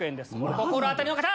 お心当たりの方！